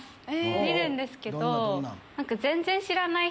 見るんですけど。